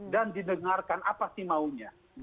dan didengarkan apa sih maunya